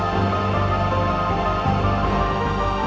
dan melakukan semua ini sama jessica